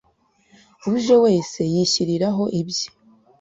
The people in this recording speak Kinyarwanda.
uje wese yishyiriraho ibye.